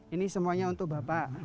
ini semuanya untuk bapak